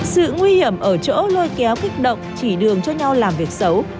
sự nguy hiểm ở chỗ lôi kéo kích động chỉ đường cho nhau làm việc xấu